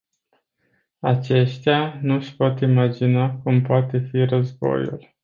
Aceștia nu-și pot imagina cum poate fi războiul.